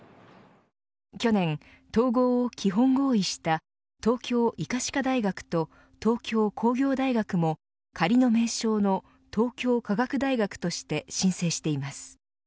去年、統合を基本合意した東京医科歯科大学と東京工業大学も仮の名称の、東京科学大学として申請しています。